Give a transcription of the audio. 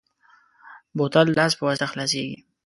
بوتل د لاس په واسطه خلاصېږي.